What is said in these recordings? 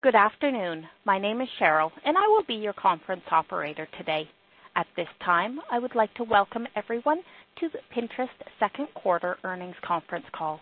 Good afternoon. My name is Cheryl, and I will be your conference operator today. At this time, I would like to welcome everyone to Pinterest's second quarter earnings conference call.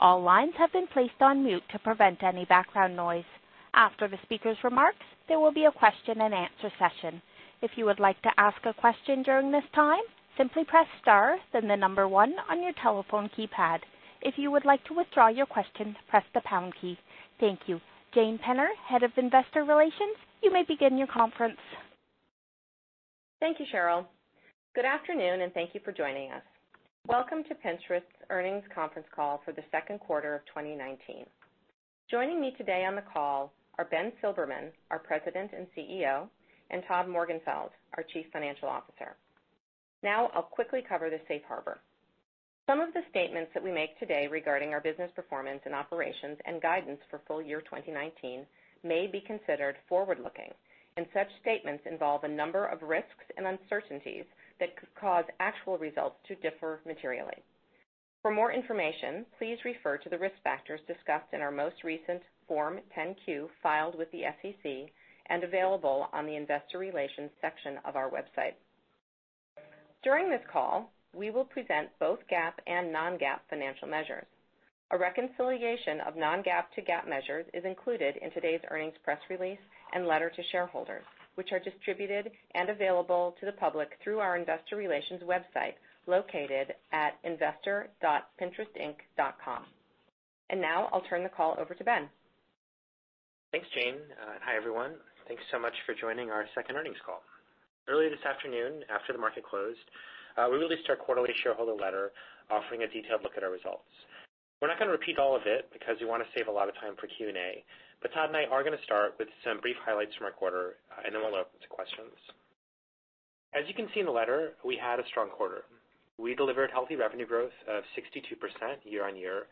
All lines have been placed on mute to prevent any background noise. After the speaker's remarks, there will be a question and answer session. If you would like to ask a question during this time, simply press star, then the number 1 on your telephone keypad. If you would like to withdraw your question, press the pound key. Thank you. Jane Penner, Head of Investor Relations, you may begin your conference. Thank you, Cheryl. Good afternoon, and thank you for joining us. Welcome to Pinterest's earnings conference call for the second quarter of 2019. Joining me today on the call are Ben Silbermann, our President and CEO, and Todd Morgenfeld, our Chief Financial Officer. I'll quickly cover the safe harbor. Some of the statements that we make today regarding our business performance and operations and guidance for full year 2019 may be considered forward-looking, and such statements involve a number of risks and uncertainties that could cause actual results to differ materially. For more information, please refer to the risk factors discussed in our most recent Form 10-Q filed with the SEC and available on the investor relations section of our website. During this call, we will present both GAAP and non-GAAP financial measures. A reconciliation of non-GAAP to GAAP measures is included in today's earnings press release and letter to shareholders, which are distributed and available to the public through our investor relations website located at investor.pinterestinc.com. Now I'll turn the call over to Ben. Thanks, Jane. Hi, everyone. Thanks so much for joining our second earnings call. Early this afternoon, after the market closed, we released our quarterly shareholder letter offering a detailed look at our results. We're not going to repeat all of it because we want to save a lot of time for Q&A. Todd and I are going to start with some brief highlights from our quarter, and then we'll open to questions. As you can see in the letter, we had a strong quarter. We delivered healthy revenue growth of 62% year-on-year,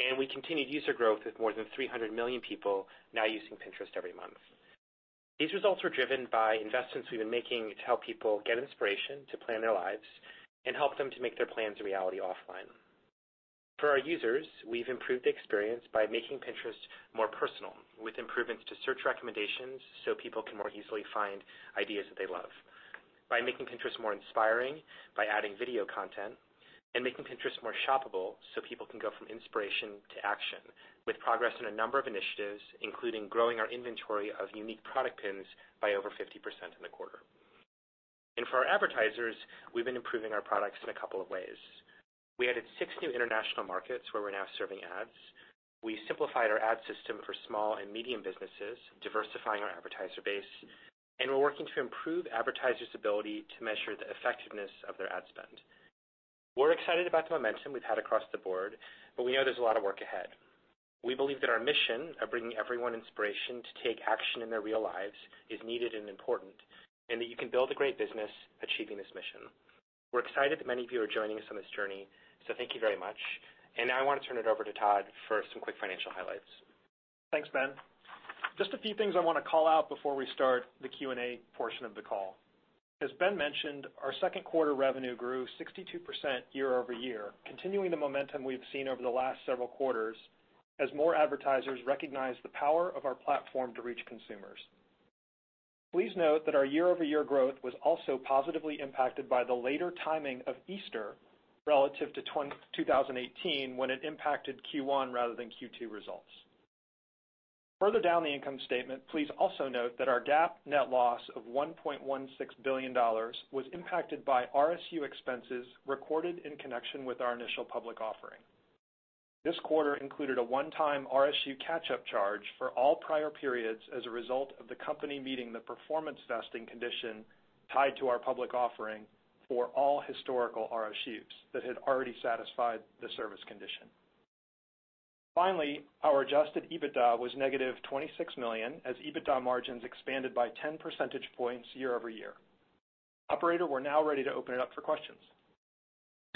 and we continued user growth with more than 300 million people now using Pinterest every month. These results were driven by investments we've been making to help people get inspiration to plan their lives and help them to make their plans a reality offline. For our users, we've improved the experience by making Pinterest more personal with improvements to search recommendations so people can more easily find ideas that they love, by making Pinterest more inspiring by adding video content, making Pinterest more shoppable so people can go from inspiration to action with progress in a number of initiatives, including growing our inventory of unique Product Pins by over 50% in the quarter. For our advertisers, we've been improving our products in a couple of ways. We added six new international markets where we're now serving ads. We simplified our ad system for small and medium businesses, diversifying our advertiser base, and we're working to improve advertisers' ability to measure the effectiveness of their ad spend. We're excited about the momentum we've had across the board, we know there's a lot of work ahead. We believe that our mission of bringing everyone inspiration to take action in their real lives is needed and important, and that you can build a great business achieving this mission. We're excited that many of you are joining us on this journey, so thank you very much. Now I want to turn it over to Todd for some quick financial highlights. Thanks, Ben. Just a few things I want to call out before we start the Q&A portion of the call. As Ben mentioned, our second quarter revenue grew 62% year-over-year, continuing the momentum we've seen over the last several quarters as more advertisers recognize the power of our platform to reach consumers. Please note that our year-over-year growth was also positively impacted by the later timing of Easter relative to 2018, when it impacted Q1 rather than Q2 results. Further down the income statement, please also note that our GAAP net loss of $1.16 billion was impacted by RSU expenses recorded in connection with our initial public offering. This quarter included a one-time RSU catch-up charge for all prior periods as a result of the company meeting the performance vesting condition tied to our public offering for all historical RSUs that had already satisfied the service condition. Our adjusted EBITDA was negative $26 million as EBITDA margins expanded by 10 percentage points year-over-year. Operator, we're now ready to open it up for questions.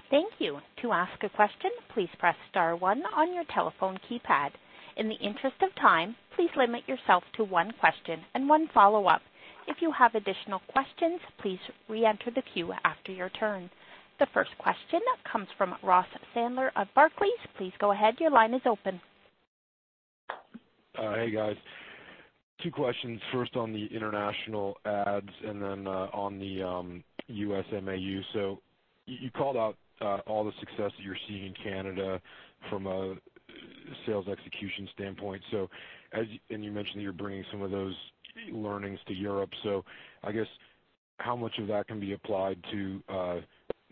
Thank you. To ask a question, please press star one on your telephone keypad. In the interest of time, please limit yourself to one question and one follow-up. If you have additional questions, please reenter the queue after your turn. The first question comes from Ross Sandler of Barclays. Please go ahead. Your line is open. Hey, guys. Two questions. First on the international ads and then on the U.S. MAU. You called out all the success that you're seeing in Canada from a sales execution standpoint. You mentioned that you're bringing some of those learnings to Europe. I guess how much of that can be applied to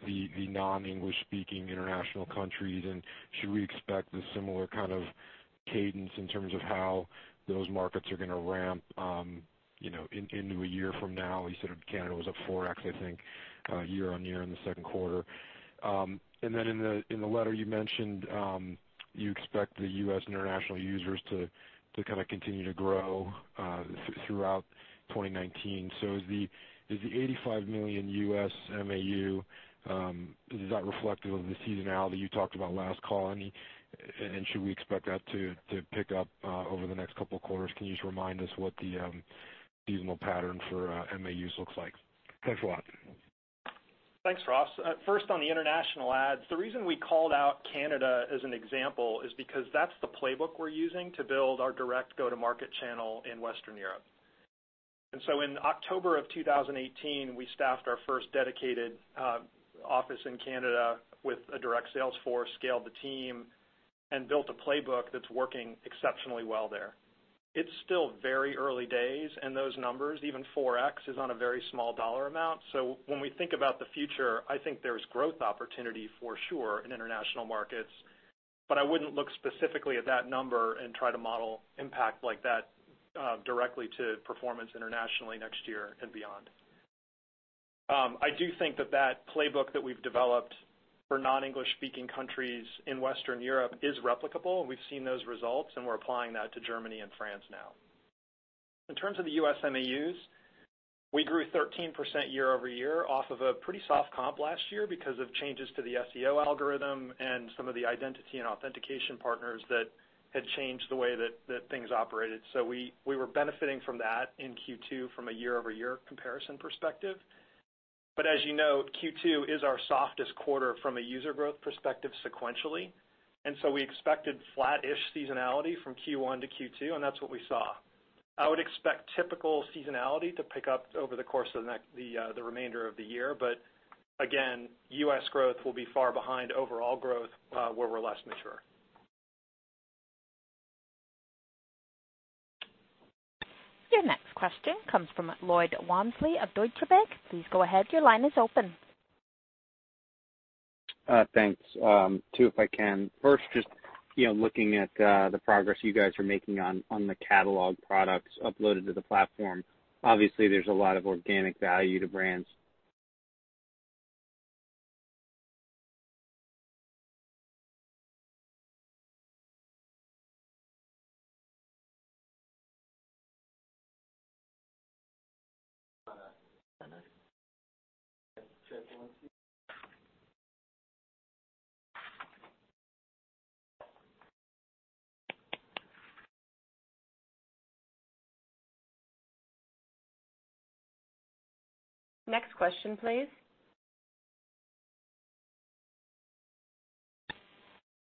the non-English speaking international countries, and should we expect the similar kind of cadence in terms of how those markets are going to ramp into a year from now? You said Canada was up 4X, I think, year-over-year in the second quarter. In the letter you mentioned you expect the U.S. international users to kind of continue to grow throughout 2019. Is the 85 million U.S. MAU, is that reflective of the seasonality you talked about last call? Should we expect that to pick up over the next couple of quarters? Can you just remind us what the seasonal pattern for MAUs looks like? Thanks a lot. Thanks, Ross. First, on the international ads, the reason we called out Canada as an example is because that's the playbook we're using to build our direct go-to-market channel in Western Europe. In October of 2018, we staffed our first dedicated office in Canada with a direct sales force, scaled the team, and built a playbook that's working exceptionally well there. It's still very early days, and those numbers, even 4x, is on a very small dollar amount. When we think about the future, I think there's growth opportunity for sure in international markets, but I wouldn't look specifically at that number and try to model impact like that directly to performance internationally next year and beyond. I do think that that playbook that we've developed for non-English speaking countries in Western Europe is replicable, and we've seen those results, and we're applying that to Germany and France now. In terms of the U.S. MAUs, we grew 13% year-over-year off of a pretty soft comp last year because of changes to the SEO algorithm and some of the identity and authentication partners that had changed the way that things operated. We were benefiting from that in Q2 from a year-over-year comparison perspective. As you know, Q2 is our softest quarter from a user growth perspective sequentially, and so we expected flat-ish seasonality from Q1 to Q2, and that's what we saw. I would expect typical seasonality to pick up over the course of the remainder of the year. Again, U.S. growth will be far behind overall growth, where we're less mature. Your next question comes from Lloyd Walmsley of Deutsche Bank. Please go ahead. Your line is open. Thanks. Two, if I can. First, just looking at the progress you guys are making on the catalog products uploaded to the platform. Obviously, there's a lot of organic value to brands. Next question, please.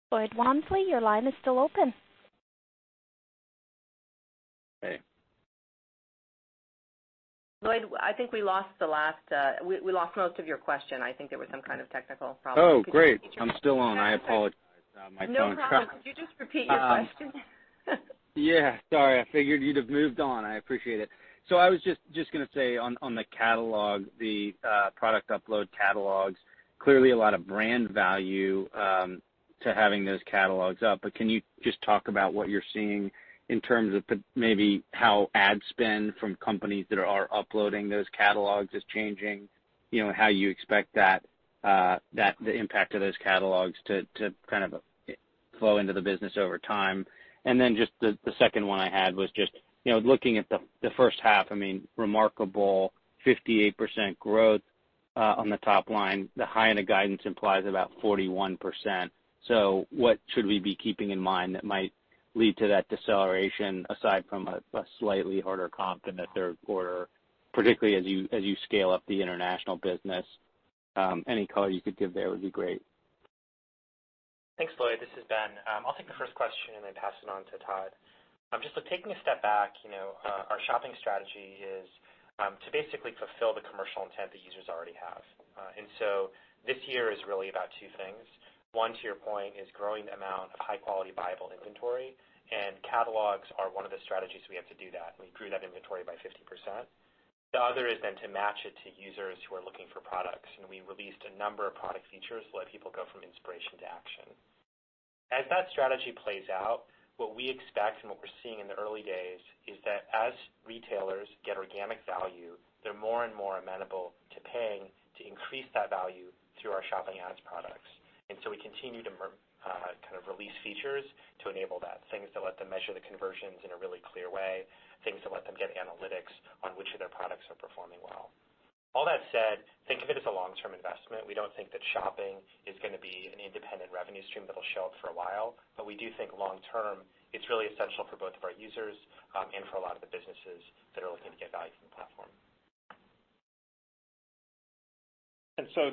Lloyd Walmsley, your line is still open. Hey. Lloyd, I think we lost most of your question. I think there was some kind of technical problem. Oh, great. I'm still on. I apologize. No problem. Could you just repeat your question? Yeah. Sorry. I figured you'd have moved on. I appreciate it. I was just going to say on the catalog, the product upload catalogs, clearly a lot of brand value to having those catalogs up. Can you just talk about what you're seeing in terms of maybe how ad spend from companies that are uploading those catalogs is changing? How you expect the impact of those catalogs to kind of flow into the business over time. Just the second one I had was just looking at the first half, remarkable 58% growth, on the top line, the high end of guidance implies about 41%. What should we be keeping in mind that might lead to that deceleration aside from a slightly harder comp in the third quarter, particularly as you scale up the international business? Any color you could give there would be great. Thanks, Lloyd. This is Ben. I'll take the first question and then pass it on to Todd. Just taking a step back, our shopping strategy is to basically fulfill the commercial intent that users already have. This year is really about two things. One, to your point, is growing the amount of high-quality, buyable inventory. Catalogs are one of the strategies we have to do that. We grew that inventory by 50%. The other is then to match it to users who are looking for products. We released a number of product features to let people go from inspiration to action. As that strategy plays out, what we expect and what we're seeing in the early days is that as retailers get organic value, they're more and more amenable to paying to increase that value through our shopping ads products. We continue to release features to enable that. Things to let them measure the conversions in a really clear way, things to let them get analytics on which of their products are performing well. All that said, think of it as a long-term investment. We don't think that shopping is going to be an independent revenue stream that'll show up for a while, we do think long-term, it's really essential for both of our users and for a lot of the businesses that are looking to get value from the platform.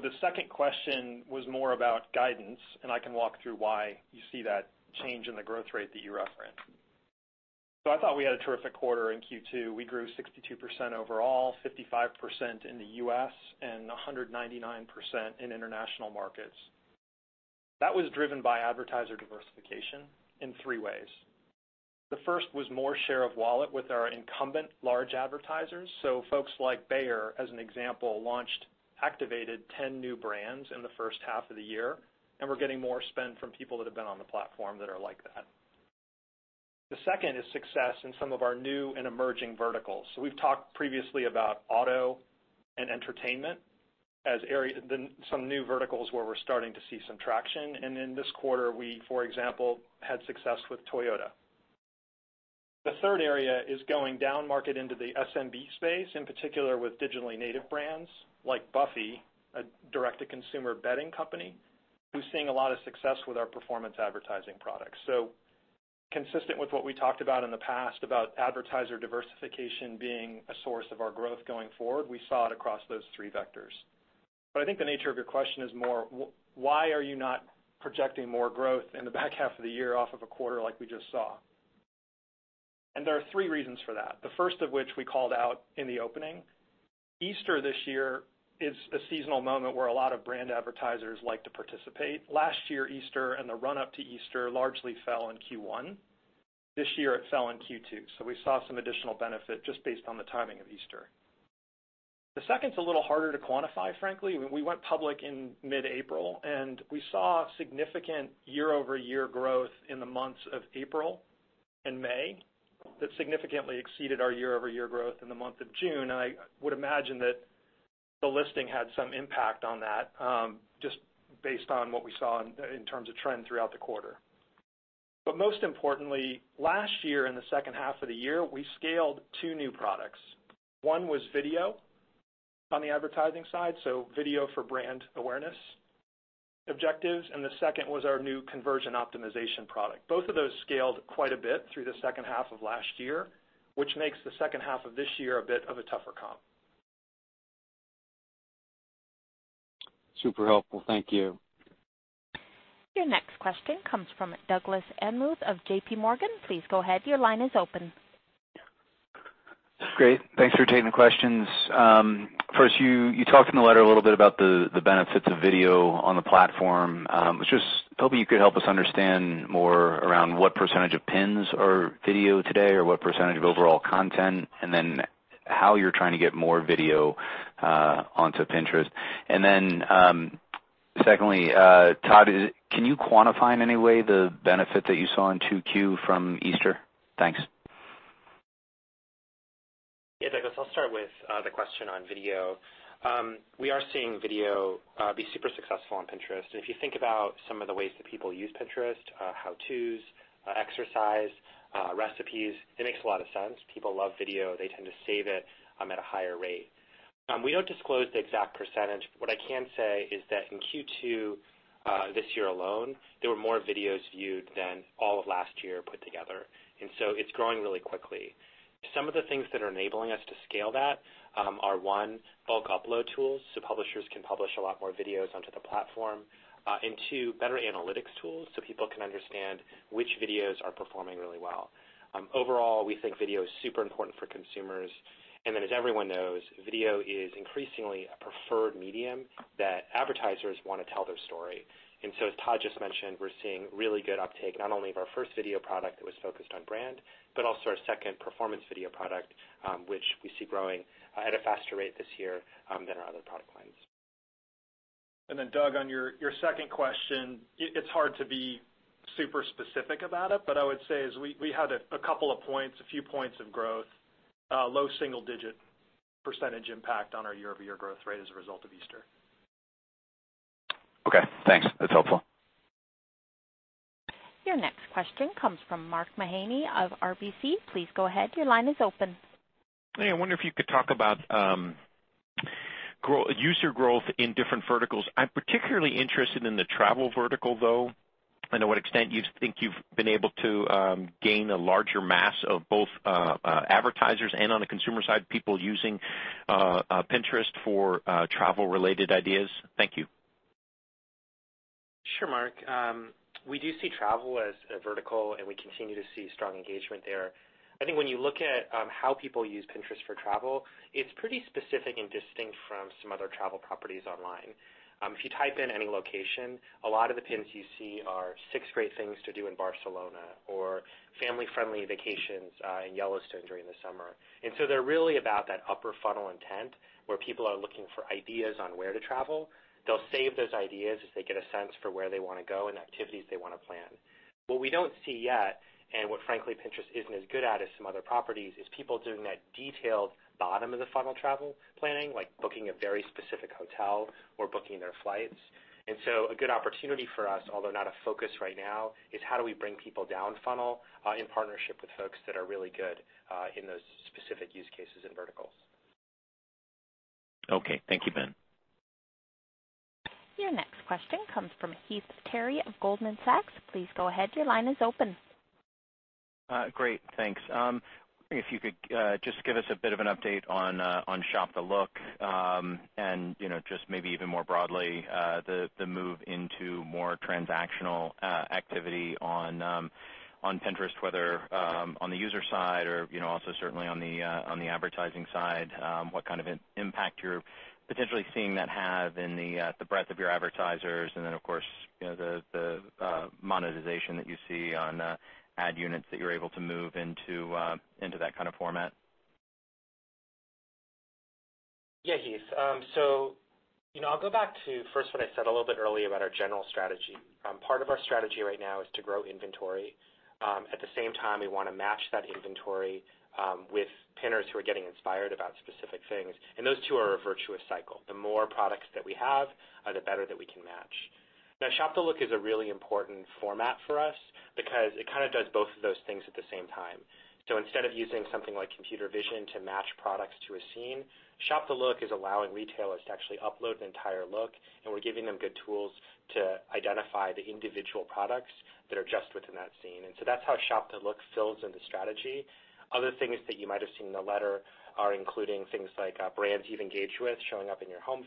The second question was more about guidance, and I can walk through why you see that change in the growth rate that you referenced. I thought we had a terrific quarter in Q2. We grew 62% overall, 55% in the U.S., and 199% in international markets. That was driven by advertiser diversification in three ways. The first was more share of wallet with our incumbent large advertisers. Folks like Bayer, as an example, activated 10 new brands in the first half of the year. We're getting more spend from people that have been on the platform that are like that. The second is success in some of our new and emerging verticals. We've talked previously about auto and entertainment as some new verticals where we're starting to see some traction. In this quarter, we, for example, had success with Toyota. The third area is going down market into the SMB space, in particular with digitally native brands like Buffy, a direct-to-consumer bedding company, who's seeing a lot of success with our performance advertising products. Consistent with what we talked about in the past about advertiser diversification being a source of our growth going forward, we saw it across those three vectors. I think the nature of your question is more, why are you not projecting more growth in the back half of the year off of a quarter like we just saw? There are three reasons for that. The first of which we called out in the opening. Easter this year is a seasonal moment where a lot of brand advertisers like to participate. Last year, Easter and the run-up to Easter largely fell in Q1. This year it fell in Q2, so we saw some additional benefit just based on the timing of Easter. The second's a little harder to quantify, frankly. We went public in mid-April, we saw significant year-over-year growth in the months of April and May that significantly exceeded our year-over-year growth in the month of June. I would imagine that the listing had some impact on that, just based on what we saw in terms of trend throughout the quarter. Most importantly, last year in the second half of the year, we scaled two new products. One was video on the advertising side, so video for brand awareness objectives, and the second was our new conversion optimization product. Both of those scaled quite a bit through the second half of last year, which makes the second half of this year a bit of a tougher comp. Super helpful. Thank you. Your next question comes from Douglas Anmuth of J.P. Morgan. Please go ahead. Your line is open. Great. Thanks for taking the questions. First, you talked in the letter a little bit about the benefits of video on the platform. I was just hoping you could help us understand more around what % of pins are video today, or what % of overall content, and then how you're trying to get more video onto Pinterest. Secondly, Todd, can you quantify in any way the benefit that you saw in 2Q from Easter? Thanks. Yeah, Douglas, I'll start with the question on video. We are seeing video be super successful on Pinterest. If you think about some of the ways that people use Pinterest, how-tos, exercise, recipes, it makes a lot of sense. People love video. They tend to save it at a higher rate. We don't disclose the exact percentage. What I can say is that in Q2 this year alone, there were more videos viewed than all of last year put together. So it's growing really quickly. Some of the things that are enabling us to scale that are, one, bulk upload tools, so publishers can publish a lot more videos onto the platform, and two, better analytics tools so people can understand which videos are performing really well. Overall, we think video is super important for consumers. As everyone knows, video is increasingly a preferred medium that advertisers want to tell their story. As Todd just mentioned, we're seeing really good uptake not only of our first video product that was focused on brand, but also our second performance video product, which we see growing at a faster rate this year than our other product lines. Doug, on your second question, it's hard to be super specific about it, but I would say is we had a couple of points, a few points of growth, low single-digit % impact on our year-over-year growth rate as a result of Easter. Okay, thanks. That's helpful. Your next question comes from Mark Mahaney of RBC. Please go ahead. Your line is open. Hey, I wonder if you could talk about user growth in different verticals. I'm particularly interested in the travel vertical, though, and to what extent you think you've been able to gain a larger mass of both advertisers and on the consumer side, people using Pinterest for travel-related ideas. Thank you. Sure, Mark. We do see travel as a vertical, we continue to see strong engagement there. I think when you look at how people use Pinterest for travel, it's pretty specific and distinct from some other travel properties online. If you type in any location, a lot of the pins you see are six great things to do in Barcelona or family-friendly vacations in Yellowstone during the summer. They're really about that upper funnel intent where people are looking for ideas on where to travel. They'll save those ideas as they get a sense for where they want to go and activities they want to plan. What we don't see yet, and what frankly Pinterest isn't as good at as some other properties, is people doing that detailed bottom of the funnel travel planning, like booking a very specific hotel or booking their flights. A good opportunity for us, although not a focus right now, is how do we bring people down funnel in partnership with folks that are really good in those specific use cases and verticals. Okay. Thank you, Ben. Your next question comes from Heath Terry of Goldman Sachs. Please go ahead. Your line is open. Great, thanks. If you could just give us a bit of an update on Shop the Look and just maybe even more broadly the move into more transactional activity on Pinterest, whether on the user side or also certainly on the advertising side, what kind of impact you're potentially seeing that have in the breadth of your advertisers and then of course the monetization that you see on ad units that you're able to move into that kind of format? Yeah, Heath. I'll go back to first what I said a little bit earlier about our general strategy. Part of our strategy right now is to grow inventory. At the same time, we want to match that inventory with Pinners who are getting inspired about specific things, and those two are a virtuous cycle. The more products that we have, the better that we can match. Now, Shop the Look is a really important format for us because it kind of does both of those things at the same time. Instead of using something like computer vision to match products to a scene, Shop the Look is allowing retailers to actually upload an entire look, and we're giving them good tools to identify the individual products that are just within that scene. That's how Shop the Look fills in the strategy. Other things that you might have seen in the letter are including things like, brands you've engaged with showing up in your home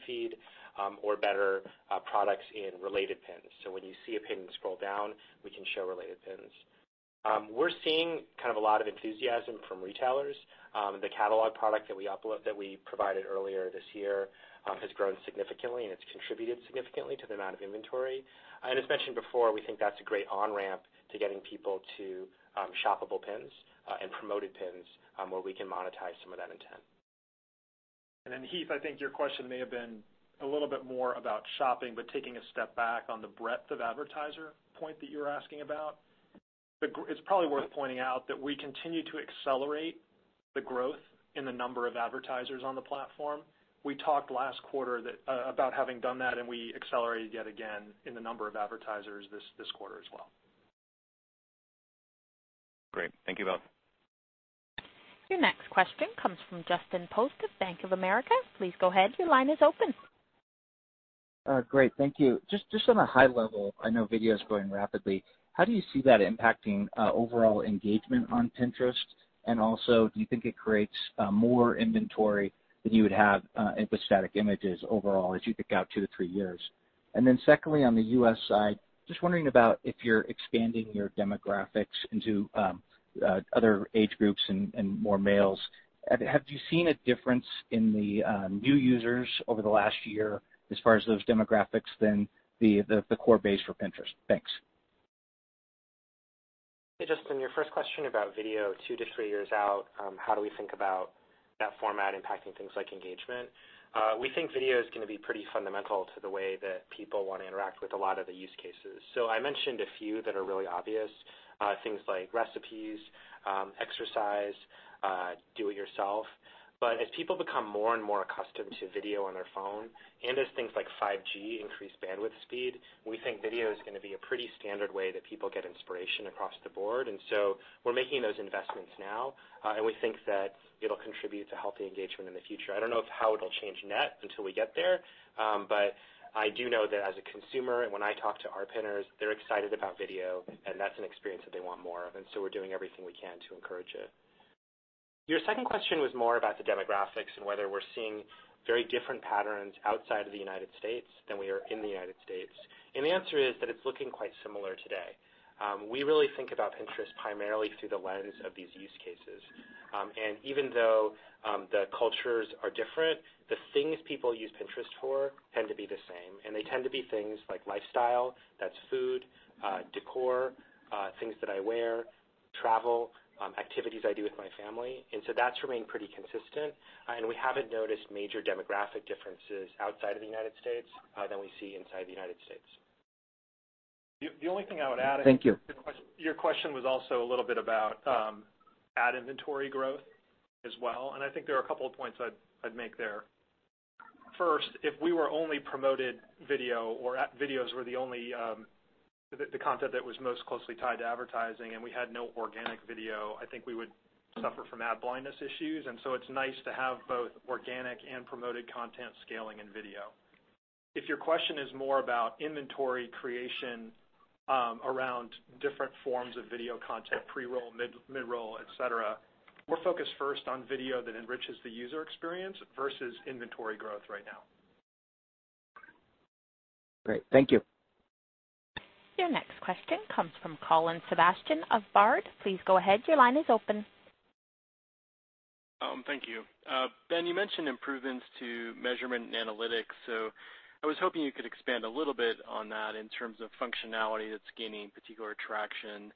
feed, or better products in related Pins. When you see a Pin scroll down, we can show related Pins. We're seeing kind of a lot of enthusiasm from retailers. The catalog product that we upload, that we provided earlier this year, has grown significantly, and it's contributed significantly to the amount of inventory. As mentioned before, we think that's a great on-ramp to getting people to Shoppable Pins and Promoted Pins, where we can monetize some of that intent. Then Heath, I think your question may have been a little bit more about shopping, but taking a step back on the breadth of advertiser point that you were asking about. It's probably worth pointing out that we continue to accelerate the growth in the number of advertisers on the platform. We talked last quarter about having done that, and we accelerated yet again in the number of advertisers this quarter as well. Great. Thank you both. Your next question comes from Justin Post of Bank of America. Please go ahead. Your line is open. Great. Thank you. Just on a high level, I know video's growing rapidly. How do you see that impacting overall engagement on Pinterest? Also, do you think it creates more inventory than you would have with static images overall as you think out two to three years? Secondly, on the U.S. side, just wondering about if you're expanding your demographics into other age groups and more males. Have you seen a difference in the new users over the last year as far as those demographics than the core base for Pinterest? Thanks. Hey, Justin. Your first question about video 2 to 3 years out, how do we think about that format impacting things like engagement? We think video is going to be pretty fundamental to the way that people want to interact with a lot of the use cases. I mentioned a few that are really obvious. Things like recipes, exercise, do it yourself. As people become more and more accustomed to video on their phone and as things like 5G increase bandwidth speed, we think video is going to be a pretty standard way that people get inspiration across the board. We're making those investments now. We think that it'll contribute to healthy engagement in the future. I don't know how it'll change net until we get there. I do know that as a consumer, when I talk to our pinners, they're excited about video, and that's an experience that they want more of. We're doing everything we can to encourage it. Your second question was more about the demographics and whether we're seeing very different patterns outside of the United States than we are in the United States. The answer is that it's looking quite similar today. We really think about Pinterest primarily through the lens of these use cases. Even though the cultures are different, the things people use Pinterest for tend to be the same, and they tend to be things like lifestyle, that's food, decor, things that I wear, travel, activities I do with my family. That's remained pretty consistent. We haven't noticed major demographic differences outside of the United States than we see inside the United States. Thank you. The only thing I would add is your question was also a little bit about ad inventory growth as well, and I think there are a couple of points I'd make there. First, if we were only promoted video or videos were the only content that was most closely tied to advertising and we had no organic video, I think we would suffer from ad blindness issues. It's nice to have both organic and promoted content scaling in video. If your question is more about inventory creation around different forms of video content, pre-roll, mid-roll, et cetera, we're focused first on video that enriches the user experience versus inventory growth right now. Great. Thank you. Your next question comes from Colin Sebastian of Baird. Please go ahead. Your line is open. Thank you. Ben, you mentioned improvements to measurement and analytics. I was hoping you could expand a little bit on that in terms of functionality that's gaining particular traction.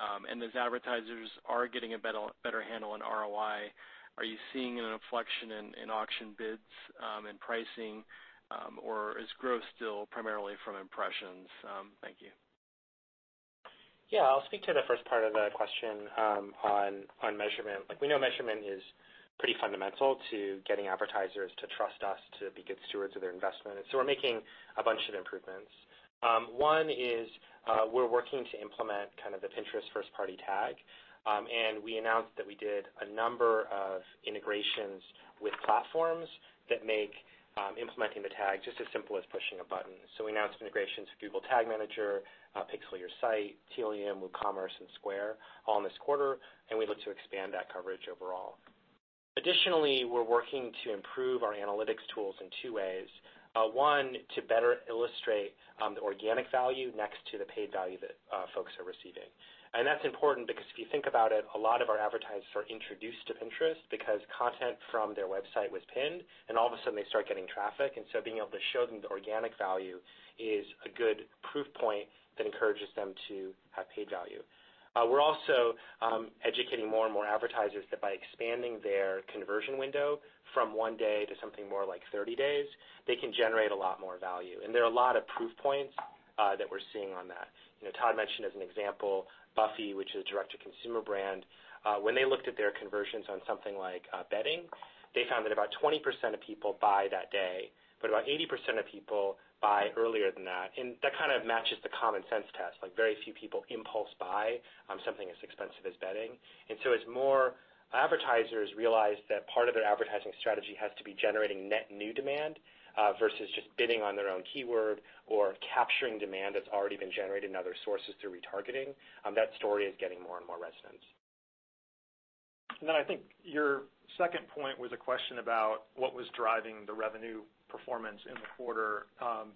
As advertisers are getting a better handle on ROI, are you seeing an inflection in auction bids, in pricing, or is growth still primarily from impressions? Thank you. Yeah. I'll speak to the first part of the question on measurement. We know measurement is pretty fundamental to getting advertisers to trust us to be good stewards of their investment, we're making a bunch of improvements. One is we're working to implement kind of the Pinterest first-party tag. We announced that we did a number of integrations with platforms that make implementing the tag just as simple as pushing a button. We announced integrations with Google Tag Manager, PixelYourSite, Tealium, WooCommerce, and Square all in this quarter, and we look to expand that coverage overall. Additionally, we're working to improve our analytics tools in two ways. One, to better illustrate the organic value next to the paid value that folks are receiving. That's important because if you think about it, a lot of our advertisers are introduced to Pinterest because content from their website was pinned, and all of a sudden, they start getting traffic. Being able to show them the organic value is a good proof point that encourages them to have paid value. We're also educating more and more advertisers that by expanding their conversion window from one day to something more like 30 days, they can generate a lot more value. There are a lot of proof points that we're seeing on that. Todd mentioned as an example, Buffy, which is a direct-to-consumer brand, when they looked at their conversions on something like bedding, they found that about 20% of people buy that day, but about 80% of people buy earlier than that. That kind of matches the common sense test. Very few people impulse buy on something as expensive as bedding. As more advertisers realize that part of their advertising strategy has to be generating net new demand versus just bidding on their own keyword or capturing demand that's already been generated in other sources through retargeting, that story is getting more and more resonance. Then I think your second point was a question about what was driving the revenue performance in the quarter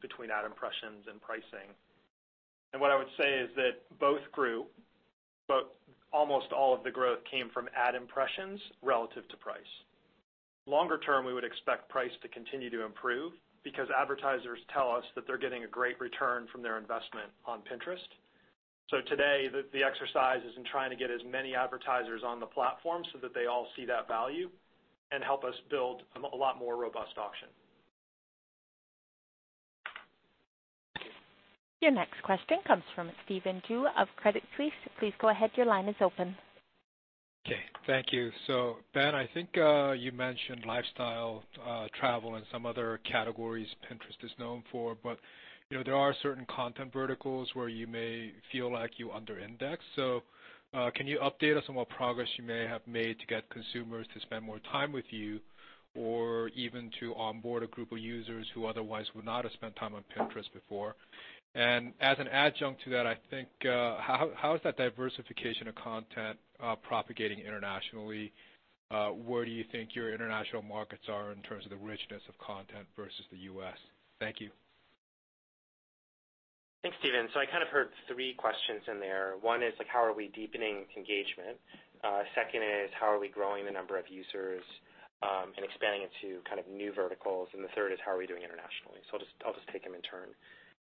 between ad impressions and pricing. What I would say is that both grew, but almost all of the growth came from ad impressions relative to price. Longer term, we would expect price to continue to improve because advertisers tell us that they're getting a great return from their investment on Pinterest. Today, the exercise is in trying to get as many advertisers on the platform so that they all see that value and help us build a lot more robust auction. Thank you. Your next question comes from Stephen Ju of Credit Suisse. Please go ahead. Your line is open. Okay. Thank you. Ben, I think you mentioned lifestyle, travel, and some other categories Pinterest is known for, but there are certain content verticals where you may feel like you under-index. Can you update us on what progress you may have made to get consumers to spend more time with you or even to onboard a group of users who otherwise would not have spent time on Pinterest before? As an adjunct to that, I think, how is that diversification of content propagating internationally? Where do you think your international markets are in terms of the richness of content versus the U.S.? Thank you. Thanks, Stephen. I kind of heard three questions in there. One is like, how are we deepening engagement? Second is, how are we growing the number of users and expanding into kind of new verticals? The third is how are we doing internationally? I'll just take them in turn.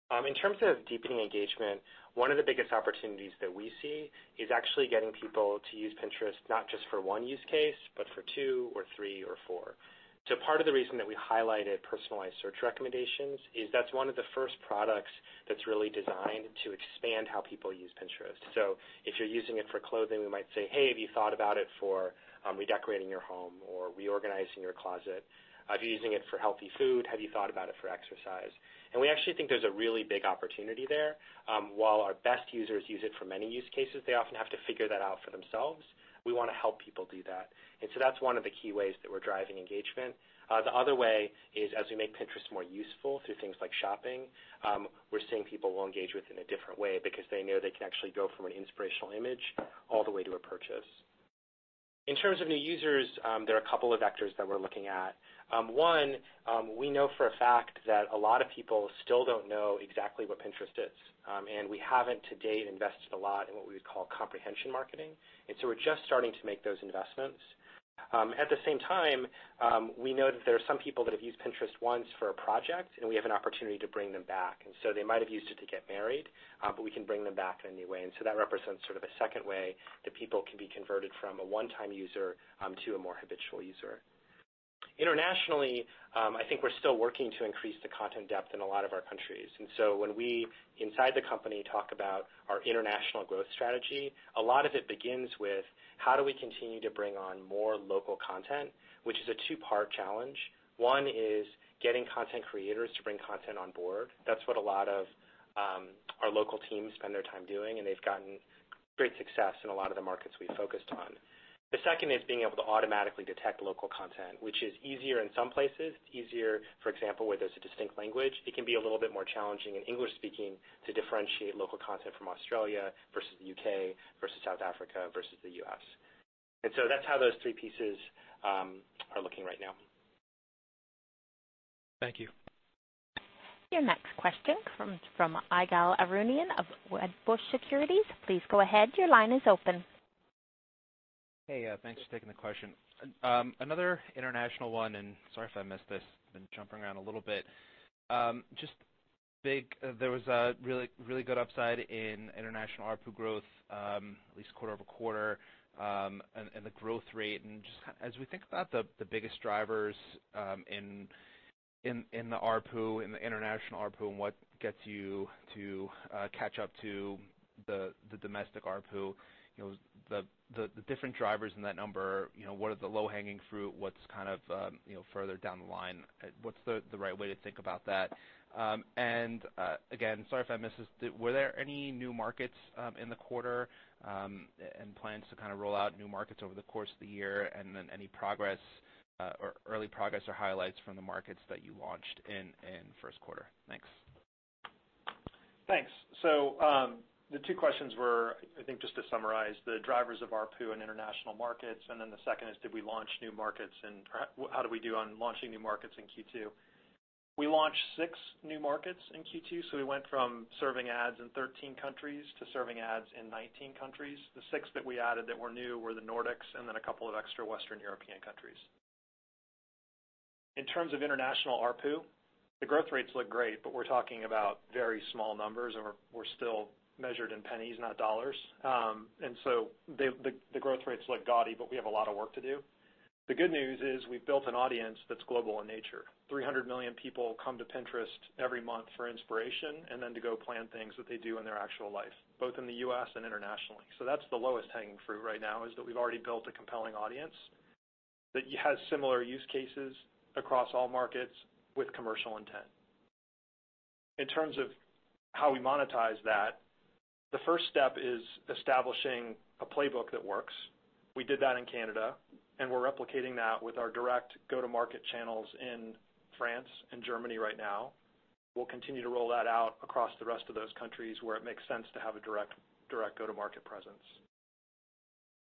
In terms of deepening engagement, one of the biggest opportunities that we see is actually getting people to use Pinterest, not just for one use case, but for two or three or four. Part of the reason that we highlighted personalized search recommendations is that's one of the first products that's really designed to expand how people use Pinterest. If you're using it for clothing, we might say, "Hey, have you thought about it for redecorating your home or reorganizing your closet? If you're using it for healthy food, have you thought about it for exercise?" We actually think there's a really big opportunity there. While our best users use it for many use cases, they often have to figure that out for themselves. We want to help people do that. That's one of the key ways that we're driving engagement. The other way is as we make Pinterest more useful through things like shopping, we're seeing people will engage with in a different way because they know they can actually go from an inspirational image all the way to a purchase. In terms of new users, there are a couple of vectors that we're looking at. One, we know for a fact that a lot of people still don't know exactly what Pinterest is. We haven't to date invested a lot in what we would call comprehension marketing. We're just starting to make those investments. At the same time, we know that there are some people that have used Pinterest once for a project, and we have an opportunity to bring them back. They might have used it to get married, but we can bring them back in a new way. That represents sort of a second way that people can be converted from a one-time user to a more habitual user. Internationally, I think we're still working to increase the content depth in a lot of our countries. When we inside the company talk about our international growth strategy, a lot of it begins with how do we continue to bring on more local content, which is a two-part challenge. One is getting content creators to bring content on board. That's what a lot of our local teams spend their time doing, and they've gotten great success in a lot of the markets we've focused on. The second is being able to automatically detect local content, which is easier in some places. Easier, for example, where there's a distinct language. It can be a little bit more challenging in English speaking to differentiate local content from Australia versus the U.K. versus South Africa versus the U.S. That's how those three pieces are looking right now. Thank you. Your next question comes from Ygal Arounian of Wedbush Securities. Please go ahead. Your line is open. Hey, thanks for taking the question. Another international one, and sorry if I missed this. Been jumping around a little bit. There was a really good upside in international ARPU growth, at least quarter-over-quarter, and the growth rate. Just as we think about the biggest drivers in the ARPU, in the international ARPU, and what gets you to catch up to the domestic ARPU, the different drivers in that number, what are the low-hanging fruit? What's kind of further down the line? What's the right way to think about that? Again, sorry if I missed this. Were there any new markets in the quarter, and plans to kind of roll out new markets over the course of the year? Any progress or early progress or highlights from the markets that you launched in first quarter? Thanks. Thanks. The two questions were, I think, just to summarize the drivers of ARPU in international markets, and then the second is, did we launch new markets and how do we do on launching new markets in Q2? We launched six new markets in Q2. We went from serving ads in 13 countries to serving ads in 19 countries. The six that we added that were new were the Nordics and then a couple of extra Western European countries. In terms of international ARPU, the growth rates look great, but we're talking about very small numbers, and we're still measured in pennies, not dollars. The growth rates look gaudy, but we have a lot of work to do. The good news is we've built an audience that's global in nature. 300 million people come to Pinterest every month for inspiration and then to go plan things that they do in their actual life, both in the U.S. and internationally. That's the lowest hanging fruit right now, is that we've already built a compelling audience that has similar use cases across all markets with commercial intent. In terms of how we monetize that, the first step is establishing a playbook that works. We did that in Canada, we're replicating that with our direct go-to-market channels in France and Germany right now. We'll continue to roll that out across the rest of those countries where it makes sense to have a direct go-to-market presence.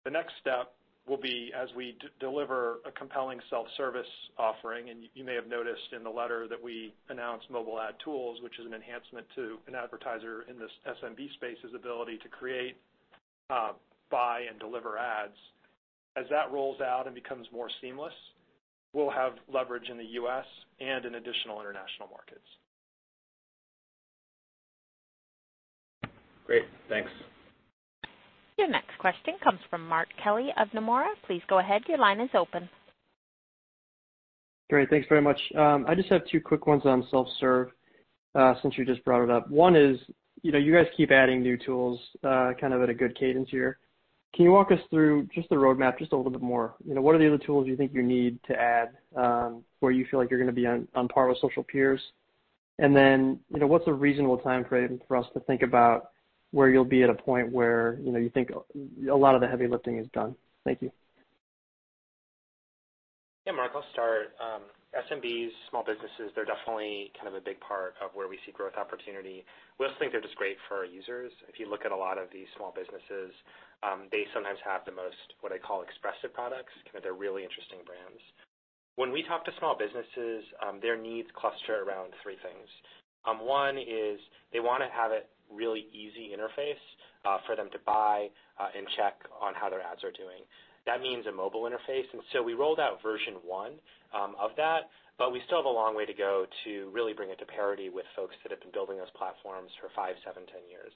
The next step will be as we deliver a compelling self-service offering. You may have noticed in the letter that we announced Mobile Ad Tools, which is an enhancement to an advertiser in the SMB space's ability to create, buy, and deliver ads. As that rolls out and becomes more seamless, we'll have leverage in the U.S. and in additional international markets. Great. Thanks. Your next question comes from Mark Kelley of Nomura. Please go ahead. Your line is open. Great. Thanks very much. I just have two quick ones on self-serve, since you just brought it up. One is, you guys keep adding new tools kind of at a good cadence here. Can you walk us through just the roadmap just a little bit more? What are the other tools you think you need to add where you feel like you're going to be on par with social peers? What's a reasonable time frame for us to think about where you'll be at a point where you think a lot of the heavy lifting is done? Thank you. Yeah, Mark, I'll start. SMBs, small businesses, they're definitely kind of a big part of where we see growth opportunity. We also think they're just great for our users. If you look at a lot of these small businesses, they sometimes have the most, what I call expressive products. They're really interesting brands. When we talk to small businesses, their needs cluster around three things. One is they want to have a really easy interface for them to buy and check on how their ads are doing. That means a mobile interface. We rolled out version one of that, but we still have a long way to go to really bring it to parity with folks that have been building those platforms for five, seven, 10 years.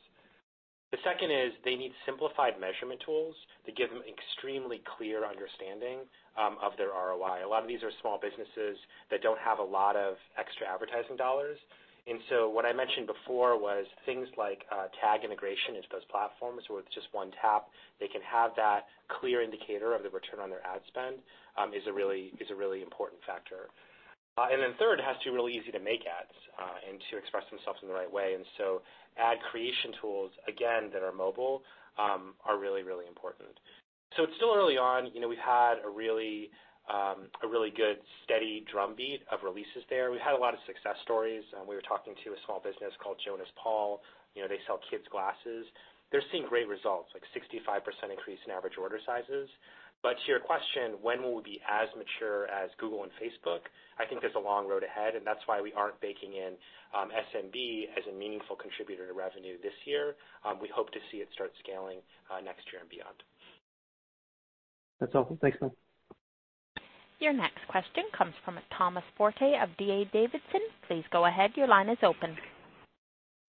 The second is they need simplified measurement tools to give them extremely clear understanding of their ROI. A lot of these are small businesses that don't have a lot of extra advertising dollars. What I mentioned before was things like tag integration into those platforms with just one tap, they can have that clear indicator of the return on their ad spend, is a really important factor. Third, it has to be really easy to make ads, and to express themselves in the right way. Ad creation tools, again, that are mobile, are really, really important. It's still early on. We've had a really good, steady drumbeat of releases there. We've had a lot of success stories. We were talking to a small business called Jonas Paul. They sell kids' glasses. They're seeing great results, like 65% increase in average order sizes. To your question, when will we be as mature as Google and Facebook? I think there's a long road ahead, and that's why we aren't baking in SMB as a meaningful contributor to revenue this year. We hope to see it start scaling next year and beyond. That's all. Thanks, Ben. Your next question comes from Thomas Forte of D.A. Davidson. Please go ahead. Your line is open.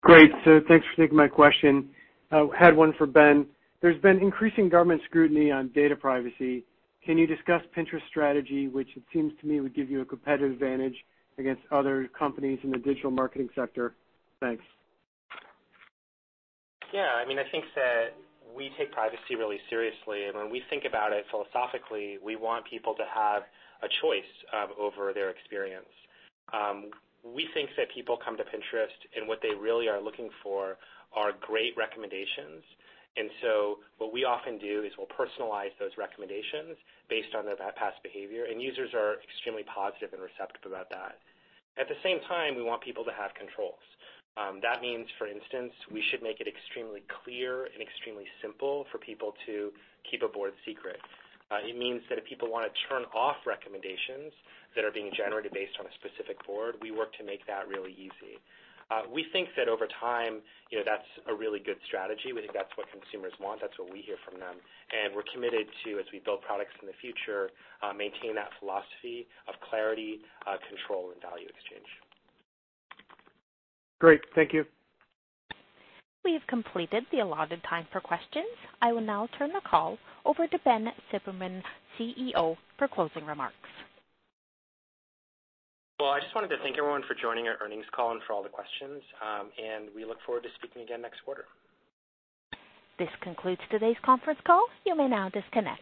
Great. Thanks for taking my question. Had one for Ben. There's been increasing government scrutiny on data privacy. Can you discuss Pinterest strategy, which it seems to me would give you a competitive advantage against other companies in the digital marketing sector? Thanks. Yeah, I think that we take privacy really seriously. When we think about it philosophically, we want people to have a choice over their experience. We think that people come to Pinterest and what they really are looking for are great recommendations. What we often do is we'll personalize those recommendations based on their past behavior, and users are extremely positive and receptive about that. At the same time, we want people to have controls. That means, for instance, we should make it extremely clear and extremely simple for people to keep a board secret. It means that if people want to turn off recommendations that are being generated based on a specific board, we work to make that really easy. We think that over time, that's a really good strategy. We think that's what consumers want. That's what we hear from them. We're committed to, as we build products in the future, maintain that philosophy of clarity, control, and value exchange. Great. Thank you. We have completed the allotted time for questions. I will now turn the call over to Ben Silbermann, CEO, for closing remarks. I just wanted to thank everyone for joining our earnings call and for all the questions. We look forward to speaking again next quarter. This concludes today's conference call. You may now disconnect.